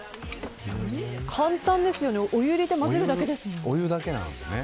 簡単ですよね。お湯入れて混ぜるだけですもんね。